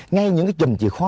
ngay những trùm chìa khó